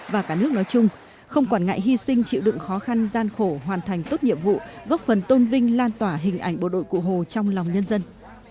bộ đội bộ đội cụ hồ hoàn thành tốt nhiệm vụ góp phần tôn vinh lan tỏa hình ảnh bộ đội cụ hồ trong lòng nhân dân